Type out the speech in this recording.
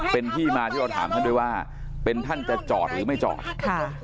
เป็นที่มาที่เราถามท่านด้วยว่าเป็นท่านจะจอดหรือไม่จอดค่ะ